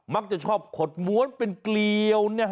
มักจะชอบขดม้วนเป็นเกลียว